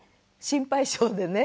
心配性でね